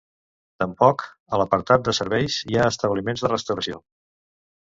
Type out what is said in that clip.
Tampoc, a l'apartat de serveis, hi ha establiments de restauració.